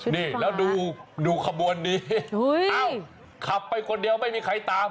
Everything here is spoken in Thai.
นี่แล้วดูขบวนนี้ขับไปคนเดียวไม่มีใครตาม